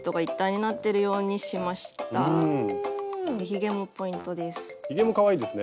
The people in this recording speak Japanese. ひげもポイントです。